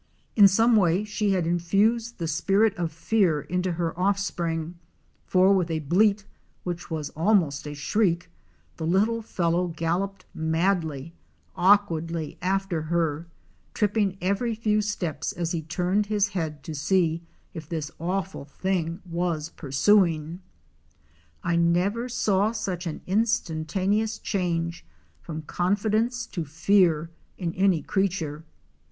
In some way she had infused the spirit of fear into her offspring, for with a bleat which was almost a shriek the little fellow galloped madly, awkwardly after her, tripping every few steps as he turned his head to see if this awful thing was pursuing. I never saw such an instantaneous change from confidence to fear in any creature.